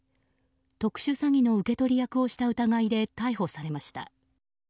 特殊詐欺の受け取り役をした疑いで逮捕されました。